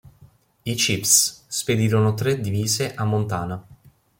I Chiefs spedirono tre divise a Montana.